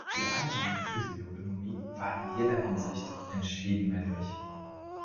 Die allgemeine Physiognomie war in jeder Hinsicht entschieden männlich.